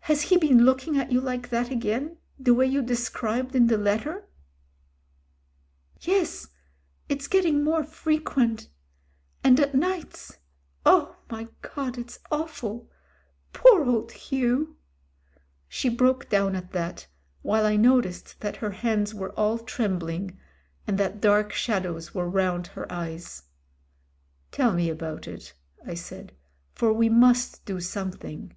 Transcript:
"Has he been looking at you like that again, the way you described in the letter?" "Yes — it's getting more frequent. And at nights — oh ! my God ! it's awful. Poor old Hugh." She broke down at that, while I noticed that her hands were all trembling, and that dark shadows were round her eyes. "Tell me about it," I said, "for we must do some thing."